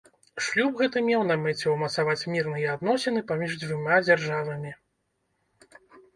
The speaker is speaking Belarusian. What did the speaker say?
Шлюб гэты меў на мэце ўмацаваць мірныя адносіны паміж дзвюма дзяржавамі.